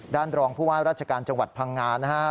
รองผู้ว่าราชการจังหวัดพังงานะฮะ